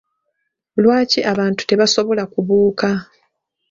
Lwaki abantu tebasobola kubuuka?